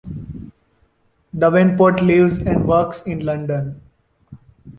Davenport lives and works in London.